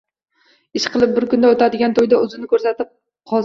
Ishqilib, bir kunda oʻtadigan toʻyda oʻzini koʻrsatib qolsa boʻldi-da…